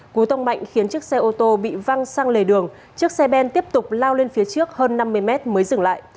cú tông mạnh khiến chiếc xe ô tô bị văng sang lề đường chiếc xe ben tiếp tục lao lên phía trước hơn năm mươi mét mới dừng lại